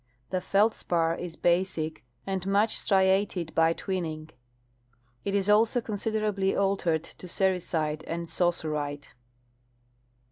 The feldspar is basic and much striated by tAvinning. It is also consideralily altered to sericite and saussurite.